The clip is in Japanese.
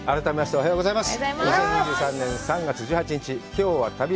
おはようございます。